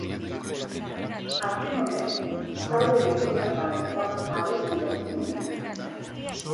Azken honek talde getxoztarrarentzat abesti bat egin omen du.